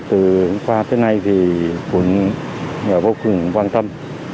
từ qua tới nay thì quận vô cùng quan tâm